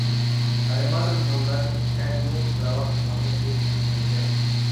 Además del modelaje, Kallio trabaja como agente inmobiliario.